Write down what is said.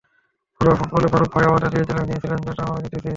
ঘরোয়া ফুটবলেও মারুফ ভাই আমাদের নিয়ে চ্যালেঞ্জ নিয়েছিলেন, যেটা আমরা জিতেছি।